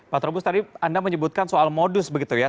pak trubus tadi anda menyebutkan soal modus begitu ya